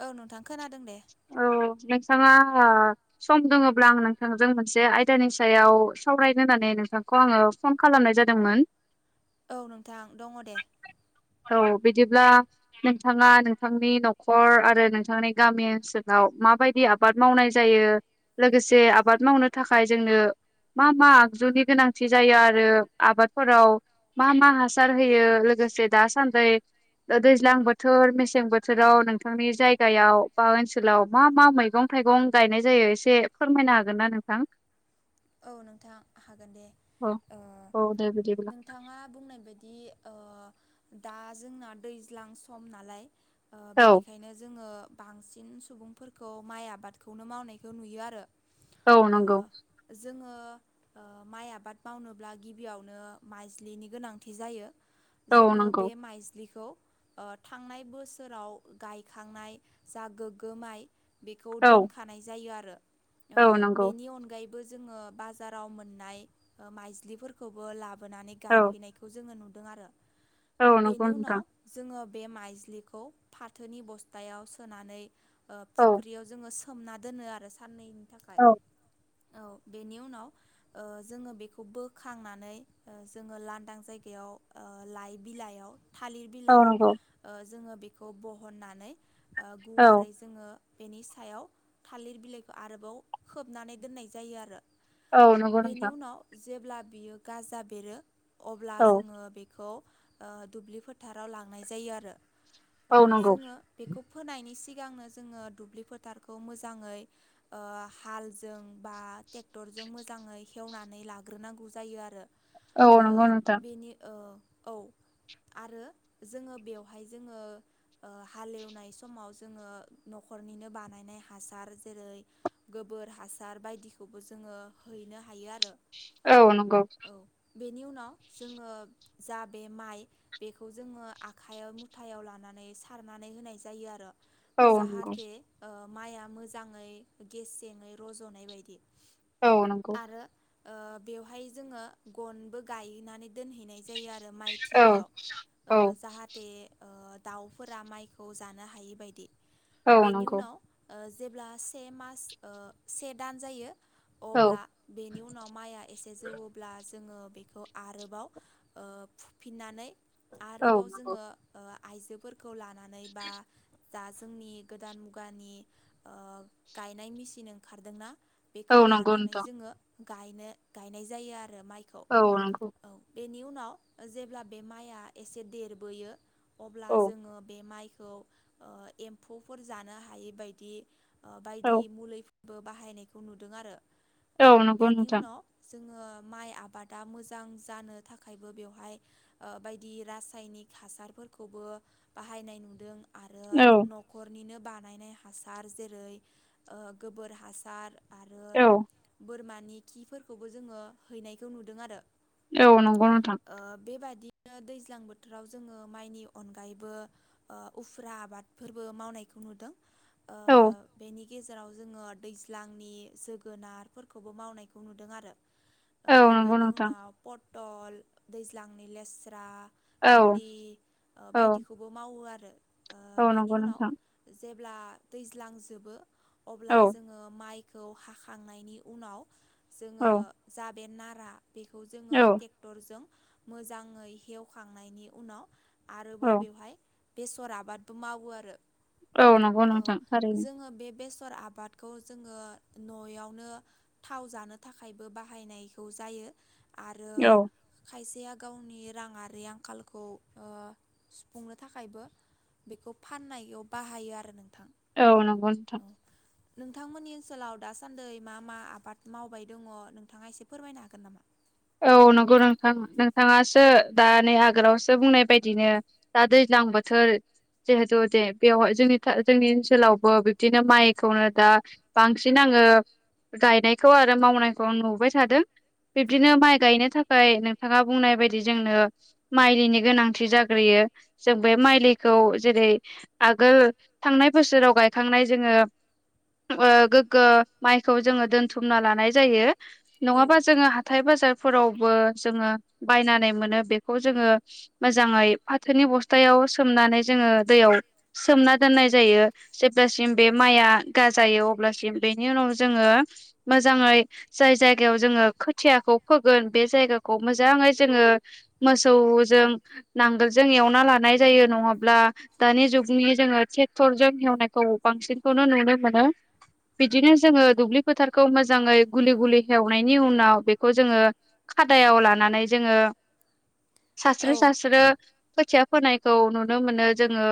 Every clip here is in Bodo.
औ नोंथां खोनादों दे औ नोंथाङा सम दोङब्ला आं नोंथांजों मोनसे आयदानि सायाव सावरायनो होननानै। नोंथांखौ आङो फन खालामनाय जादोंमोन। औ नोंथां दङ' दे। औ बिदिब्ला नोंथाङा नोंथांनि न'खर आरो नोंथांनि। गामि ओनसोलाव माबायदि आबाद मावनाय जायो लोगोसे आबाद मावनो थाखाय जोंनो। मा मा आगजुनि गोनांथि जायो आरो आबादफोराव मा मा हासार होयो? लोगोसे दासान्दै दैज्लां बोथोर मेसें बोथोराव नोंथांनि जायगायाव बा ओनसोलाव मा मा मैगं थाइगं गायनाय जायो एसे फोरमायनो हागोन ना नोंथां। औ नोंथां हागोन दे औ ओ औ दे बिदिब्ला नोंथाङा बुंनाय बायदि ओ। दा जोंना दैज्लां सम नालाय ओ औ बेनिखायनो जोङो बांसिन सुबुंफोरखौ माइ आबादखौनो मावनायखौ नुयो आरो। औ ओ नंगौ। जोङो ओ माइ आबाद मावनोब्ला गिबियावनो माज्लिनि गोनांथि जायो। औ जोङो नंगौ बे माइज्लिखौ ओ थांनाय बोसोराव गायखांनाय जा गोग्गोमाइ बेखौ औ दोनखानाय जायो आरो ओ औ नंगौ बेनि अनगायैबो। [unintelligible] जोङो बाजाराव मोननाय माइज्लिफोरखौबो लाबो औ औ नंगौ नोंथां [inaudible] बे माइज्लिखौ फाथोनि बस्थायाव सोनानै औ फुख्रियाव जोङो सोमना दोनो आरो साननै। औ। औ बेनि उनाव ओ जोङो बेखौ बोखांनानै जोङो लांदां जायगायाव ओ लाइ बिलाइयाव थालिर औ बिलाइयाव नंगौ ओ जोङो बेखौ बहननानै ओ औ गुवारै जोङो बेनि सायाव थालिर बिलाइखौ आरोबाव खोबनानै दोननाय जायो आरो। औ नंगौ बेनि नोंथां। उनाव जेब्ला बियो गाजा बेरो अब्ला औ जोङो बेखौ दुब्लि फोथाराव लांनाय जायो आरो औ नंगौ जोङो बेखौ फोनायनि सिगांनो जोङो दुब्लि फोथारखौ मोजाङै हालजों बा ट्रेक्टरजों मोजाङै हेवनानै लाग्रोनांगौ जायो आरो औ ओ नंगौ नोंथां। बेनि ओ औ आरो जोङो बेवहाय जोङो, हालेवनाय समाव जोङो न'खरनिनो बानायनाय हासार जेरै हासार बायदिखौबो जोङो हैनो हायो आरो। औ नंगौ। औ बेनि उनाव जोङो जा बे माइ बेखौ जोङो आखायाव मुथायाव लानानै माने सारनानै होनाय जायो आरो। औ नंगौ जाहाथे माइआ मोजाङै गेसेङै रज'नाय बायदि औ नंगौ। आरो बेवहाय जोङो गनबो गायनानै दोनहैनाय जायो आरो। आरो औ माइथिलियाव औ जाहाथे दाउफोरा माइखौ जानो हायि बदि औ बेनि नंगौ उनाव जेब्ला से मास से दान जायो औ अब्ला बेनि उनाव माइआ एसे जौवब्ला जोङो बेखौ आरोबाव फुफिननानै औ आरोबाव नंगौ जोङो आइजोफोरखौ लानानै बा दा जोंनि गोदान मुगानि गायनाय मेसिन ओंखारदोंना? औ बेखौ नंगौ लानानै नोंथां जोङोायनो गायनाय जायो आरो माइखौ औ नंगौ औ। बेनि उनाव जेब्ला बे माइआ एसे देरबोयो अब्ला औ जोङो बे माइ एम्फौफोर जानो हायै बायदि औ बायदि बो बाहायनायखौ नुदों आरो औ नंगौ बेनि नोंथां उनाव जोङो माइ आबादा मोजां जानो थाखायबो बेवहाय बायदि रासायनिक हासारफोरखौबो बाहायनाय नुदों आरो औ न'खरनिनो बानायनाय हासार जेरै गोबोर हासार आरो औ बोरमानि खिफोरखौबो जोङो हैनायखौ नुदों आरो औ नंगौ नोंथां बिदिनो दैज्लां बोथोराव जोङो माइनि अनगायैबो उफुर्रा आबादफोरबो मावनाय औ ननि गेजेराव जोङो दैज्लांनि जोगोनारफोरखौबो मावनायखौ नुदों आरो औ नंगौ बेनि नोंथां उनाव पटल दैज्लांनि लेस्रा औ भिन्दि औ बायदिखौबो मावो आरो ओ औ बेनि नंगौ उनाव नोंथां जेब्ला दैज्लांजोबो औ अब्ला जोङो माइ खौ हाखांनायनि उनाव औ जोङो जा बे नारा बेखौ जोङो ट्रेक्टरजों मोजाङै हेवखांनायनि उनाव आरोबाव बेवहाय बेसर आबादबो मावो आरो औ नंगौ नोंथां थारैनो फोर आबादखौ जोङो न'आवनो थाव जानो थाखायबो बाहायनायखौ जायो। यो आरो औ खायसेया गावनि राङारि आंखालखौ ओ सुफुंनो थाखायबो बेखौ फाननायाव बाहायो आरो नोंथां। औ नंगौ नोंथां। औ नोंथांमोननि ओनसोलाव दासान्दै मा मा आबाद मावबाय दङ नोंथाङा एसे फोरमायनो हागोन नामा? औ नंगौ नोंथां नोंथाङासो दा नै आगोलावसो बुंनाय बायदिनो दा दैज लां बोथोर जिहेथु दे बेव जोंनि था जोंनि ओनसोलावबो बिब्दिनो माइखौनो दा बांसिन नां ओ गायनायखौ आरो मावनायखौ आं नुबोबाय थादों। बि दिनो माइ गायनो थाखाय नोंथाङा बुंनाय बायदि जोंनो मायलिनि गोनांथि जाग्रोयो। जो बे माइलिखौ जेरै आगोल थांनाय बोसोराव गायखांनाय जोङो ओ गोग्गो माइखौ जोङो दोनथुमना लानाय जायो। औ नङाबा जोङो हा थाय बाजारफोरावबो जोङो बायनानै मोनो बेखौ जोङो मोजाङै फाथोनि बस्थायाव सोमनानै जोङो दैयाव सोमना दोननाय जायो। जेब्लासिम बे माइआ गाजायाव अब्लासिम बेनि उनाव जोङो मोजाङै जाय जायगायाव जोङो खो थियाखौ फोगोन बे जायगाखौ मोजाङै जोङो मोसौ जों नांगोलजों एवना लानाय जायो। नङाब्ला दानि जुगनि जोङो टेकथर जों हेवनायखौ बांसिनखौनो नु नुनो मोनो। बिदिनो जोङो दुब्लि फोथारखौ मोजाङै गुलि गुलि एवनायनि उनाव बेखौ जोङो खादायाव लानानै जोङो सास्रो औ सास्रो खोथिया फोनायखौ नुनो मोनो जोङो।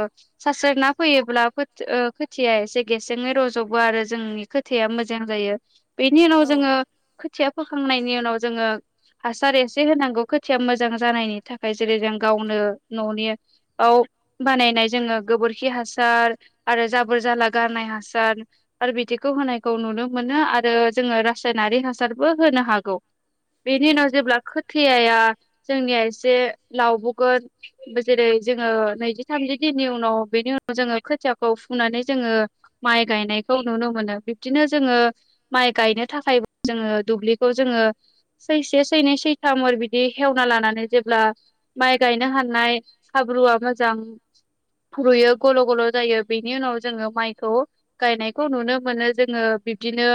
सास्रोना फोयोब्ला खोथ ओ खोथियाया एसे गेसेङै रज'बो आरो जोंनि खोथाया मोजां जायो। बेनि उनाव औ जोङो खोथिया फोखांनायनि उनाव जोङो हासार एसे होनांगौ खोथिया मोजां जानायनि थाखाय जेरै जों गावनो न'नि आव बानायनाय जोङो गोबोरखि हासार आरो जाबोर जाला गारनाय हासार आरो बिद दिखौ होनायखौ नुनो मोनो। आरो जोङो रासायनारि हासारबो होनो हागौ। बेनि उनाव जेब्ला खोथियाया जोंनिया एसे लावब'गोन जेरै जोङो नैजि थामजि दिननि उनाव बे बेनि उनाव जोङो खोथियाखौ फुनानै जोङो माइ गायनायखौ नुनो मोनो। बिब्दिनो जोङो माइ गायनो थाखाय जोङो दुब्लिखौ जोङो सैसे सैनै सैथाम ओरैबिदि हेवना लानानै जेब्ला माइ गाय गायनो हानाय हाब्रुआ मोजां फुरुयो गल' गल' जायो। बेनि उनाव जोङो माइखौ गायनायखौ नुनो मोनो जोङो। बिब्दिनो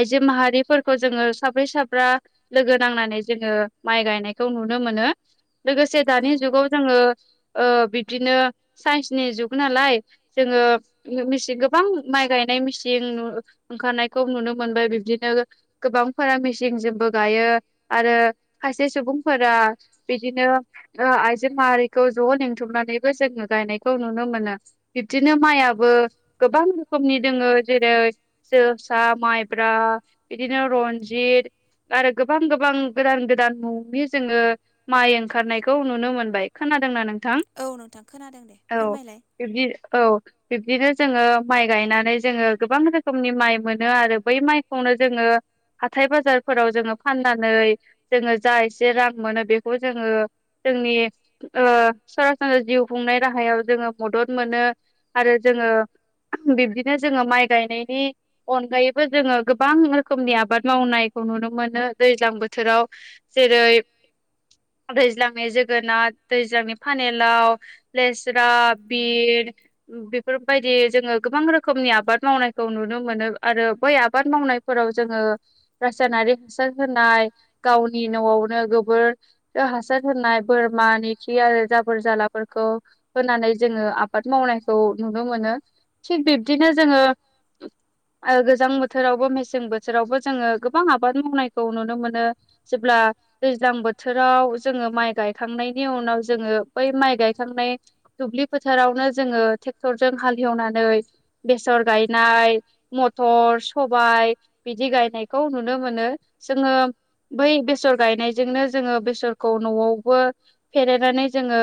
आइजो माहारिफोरखौ जोङो साब्रै साब्रा लोगो नांनानै जोङो माइ गायनायखौ नुनो मोनो। लोगोसे दानि औ जुगाव जोङो ओ बिब्दिनो सायन्सनि जुग नालाय जोङो मिसि गोबां माइ गायनाय मिसिं नु ओंखारनायखौ नुनो मोनबाय। बिबदिनो गोबां फोरा मिसिंजोबो गायो। आरो खायसे सुबुंफोरा बिदिनो ओ आ-आइजो माहारिखौ ज' लिंथुमनानैबो जोङो गायनायखौ नुनो मोनो। बिब्दिनो माइयाबो गोबां रोखोमनि दोङो जेरै जोसा, माइब्रा इदिनो रन जिर आरो गोबां गोबां गोदान गोदान मुंनि जोङो माइ ओंखारनायखौ नुनो मोनबाय। खोनादोंना नों थां औ नोंथां खोनादों दे औ फोरमायलाय बिबदि औ बिब्दिनो जोङो माइ गायनानै जोङो गोबां रोखोमनि माइ मोनो आरो बै माइखौनो जोङो। हाथाय बाजारफोराव जोङो फाननानै जोङो जा एसे रां मोनो बेखौ जोङो जोंनि ओ सरासनस्रा जिउ खुंनाय राहायाव जोङो मदद मोनो। आरो जोङो ओ बिब्दिनो जोङो माइ गायनायनि अनगायैबो जोङो गोबां रोखोमनि आबाद मावनायखौ नुनो मोनो दैज्लां बोथोराव। जेरै दैज्लांनि जोगोनार दैज्लांनि फानेलाव लेस्रा बि बेफोरबायदि जोङो गोबां रोखोमनि आबाद मावनायखौ नुनो मोनो आरो बै आबाद माव बुंनायफोराव जोङो रासायनारि हासार होनाय गावनि न'आवनो गोबोर ओ हासार होनाय बोरमानि खि आरो जाबोर जालाफोरखौ होनानै जोङो आबाद मावनायखौ नुनो मोनो। नो थिग बिब्दिनो जोङो ओ गोजां बोथोरावबो मेसें बोथोरावबो जोङो गोबां आबाद मावनायखौ नुनो मोनो जेब्ला दैज्लां बोथोराव जोङो माइ गाय गायखांनायनि उनाव जोङो बै माइ गायखांनाय दुब्लि फोथारावनो जोङो ट्रेक्टरजों हालेवनानै बेसर गायनाय मथर सबाइ बिदि गाय नायखौ नुनो मोनो जोङो बै बेसर गायनायजोंनो जोङो बेसरखौ न'आवबो फेरेनानै जोङो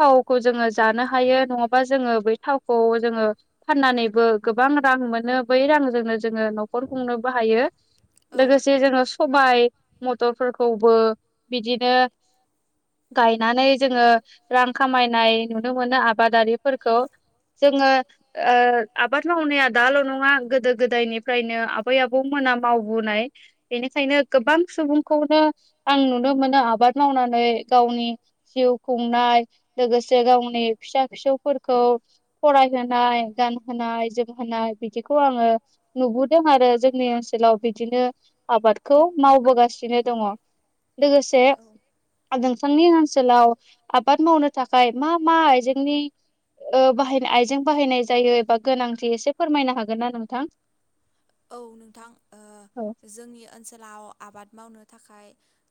थावखौ जोङो जानो हायो नङाबा जोङो बै थावखौ जोङो फाननानैबो। गोबां रां मोनो बै रांजोंनो जोङो न'खर खुंनोबो हायो औ लोगोसे जोङो सबाय म'थरफोरखौबो बिदिनो गायनानै जोङो रां खामायनाय नुनो मोनो आबादारिफोरखौ जोङो ओ आबाद मावनाया दाल' नङा गोदो गोदायनिफ्रायनो आ आबै आबौमोना मावबोनाय बेनिखायनो गोबां सुबुंखौनो आं नुनो मोनो आबाद आबाद मावनानै गावनि जिउ खुंनाय लोगोसे गावनि फिसा फिसौफोरखौ फरायहोनाय गानहोनाय जोमहोनाय बिदिखौ आङो नुबोदों आरो जोंनि ओनसोलाव बिदिनो आबादखौ मावबोगासि [unintelligible] दङ' लोगोसे औ ओनसोलाव आबाद मावनो थाखाय मा मा आयजेंनि ओ बाहायनाय आइजें बाहायनाय जायो एबा गोनांथि एसे फोरमायनो हागोन ना नोंथां? औ नोंथां ओ औ जोंनि ओनसोलाव आबाद मावनो थाखाय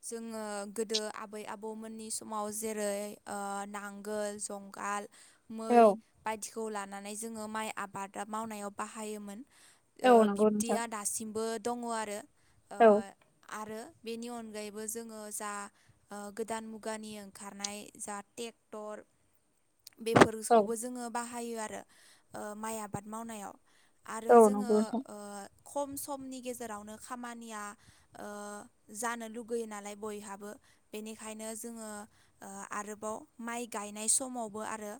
जोङो गोदो आबै आबौमोननि समाव जेरै ओ नां नांगोल जंगाल मै औ बायदिखौ लानानै जोङो माइ आबादा मावनायाव बाहायोमोन ओ औ नांगौ दासिमबो दङ आरो। ओ औ। आरो बेनि अनगायैबो जोङो जा ओ गोदान मुगानि ओंखारनाय जा टेक्टर औ बेफोरसखौबो जोङो बाहायो आरो माइ ओ आबाद मावनायाव। आरो औ जोङो नंगौ नोंथां ओ खम समनि गेजेरावनो खामानिया ओ जानो लुगैयो नालाय बयहाबो बेनिखायनो जोङो ओ आरोबाव माइ गायनाय समावबो आरो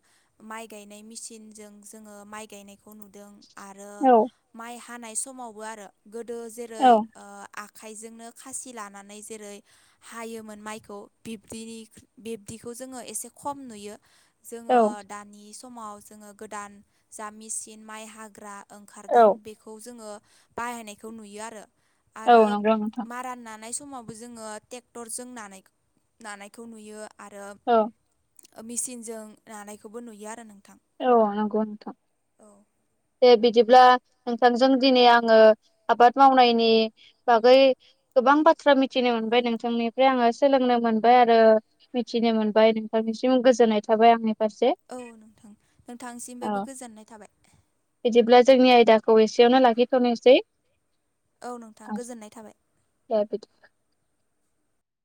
माइ गायनाय मिसिनजों जोङो माइ गायनाय खौ नुदों आरो औ माइ हानाय समावबो आरो गोदो जेरै औ ओ आख आखायजोंनो खासि लानानै जेरै हायोमोन माइखौ बिबदि बिबदिखौ जोङो एसे खम नुयो। औ जोङो दानि समाव जोङो गोदान जामिसिन माइ हाग्रा ओंखारदों बेखौ जोङो बाहायनायखौ नुयो आरो औ आरो नंगौ नोंथां माराना [unintelligible] समावबो जोङो टेक्टरजों नानायखो नानायखौ नुयो आरो औ ओ मिचनजों नानायखौबो नुयो आरो नोंथां औ नंगौ नोंथां। औ दे बिदिब्ला नोंथांजों दिनै आङो आबाद मावनायनि बागै गोबां बाथ्रा मिथिनो मोनबाय नोंथांनिफ्राय आङो सोलोंनो मोनबाय आरो मिथिनो मोनबाय नोंथांनि सिम गोजोन्नाय थाबाय आंनि फारसे औ नोंथां औ नोंथांसिमबायबो गोजोननाय थाबाय। बिदिब्ला जोंनि आयदाखौ एसेयावनो लाखिथ'नोसै औ नोंथां गोजोननाय थाबाय [unintelligible]